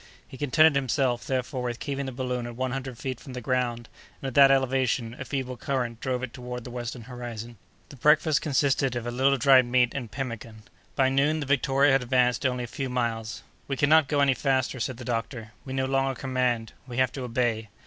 He contented himself, therefore, with keeping the balloon at one hundred feet from the ground, and, at that elevation, a feeble current drove it toward the western horizon. The breakfast consisted of a little dried meat and pemmican. By noon, the Victoria had advanced only a few miles. "We cannot go any faster," said the doctor; "we no longer command—we have to obey."